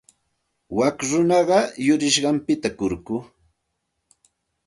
Wak runaqa yurisqanpita kurku.